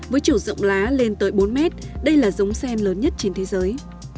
với chiều rộng lá lên tới bốn mét đây là giống sen lớn nhất trên thế giới